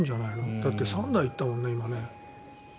だって３台行ったもんね、今。